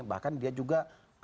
bahkan dia juga